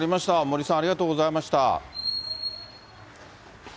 森さん、ありがとうございました。